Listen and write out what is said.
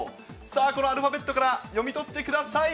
さあ、このアルファベットから読み取ってください。